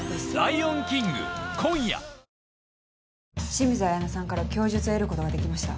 清水彩菜さんから供述を得ることができました。